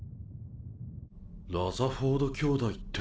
ラザフォード兄妹って。